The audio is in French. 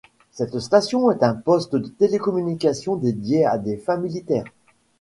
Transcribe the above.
Cette station est un poste de télécommunication dédié à des fins militaires.